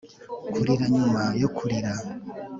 kurira nyuma yo kurira